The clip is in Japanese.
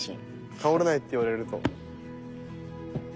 倒れないって言われると。